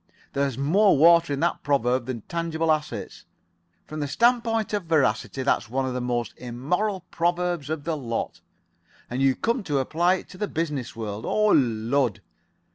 There's more water in that proverb than tangible assets. From the standpoint of veracity that's one of the most immoral proverbs of the lot and if you came to apply it to the business world oh, Lud!